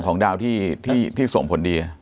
ของดาวที่ส่งผลดี